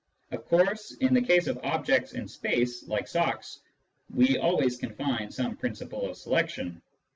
Of course, in the case of objects in space, like socks, we always can find some principle of selection.